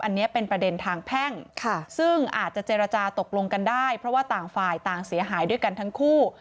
อันนี้เป็นประเด็นทางแพ่งซึ่งอาจจะเจรจาตกลงกันได้เพราะว่าต่างฝ่ายต่างเสียหายด้วยกันทั้งคู่